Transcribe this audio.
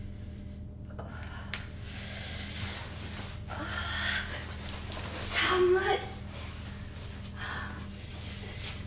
ああ寒い。